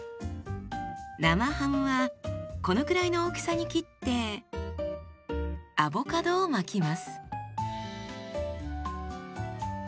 生ハムはこのくらいの大きさに切ってアボカドを巻きます。